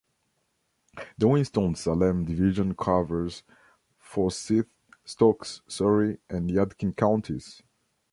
The Winston-Salem division covers: Forsyth, Stokes, Surry, and Yadkin counties.